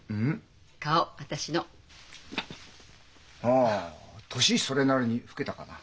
ああ年それなりに老けたかな？